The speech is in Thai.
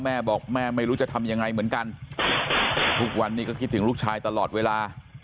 แม่บอกแม่ไม่รู้จะทำยังไงเหมือนกันทุกวันนี้ก็คิดถึงลูกชายตลอดเวลา